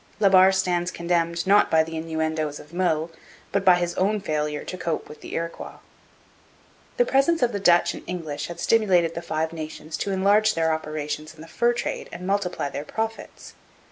La Barre stands condemned not by the innuendoes of Meulles, but by his own failure to cope with the Iroquois. The presence of the Dutch and English had stimulated the Five Nations to enlarge their operations in the fur trade and multiply their profits.